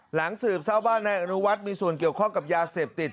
หลังสืบเศร้าบ้านนายอนุวัฒน์มีส่วนเกี่ยวข้องกับยาเศษติด